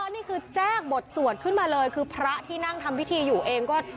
แต่ในตอนที่แจกบทสวดขึ้นมาเลยพระที่นั่งทำพิธีอยู่เอง